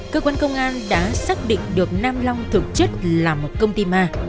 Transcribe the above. cơ quan công an đã xác định được nam long thực chất là một công ty ma